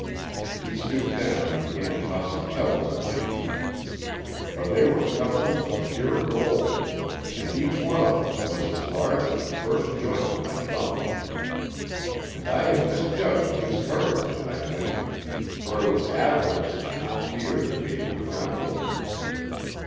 He stooped down and began tossing pebbles at my feet. But they were pebbles of pure gold, and each one of them was as large as the first joint of my thumb. And I had misjudged his courage, I think, for it was avarice and not fear that made him tremble.